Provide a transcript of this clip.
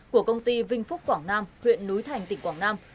của công ty vinh phúc quảng nam huyện núi thành tỉnh quảng nam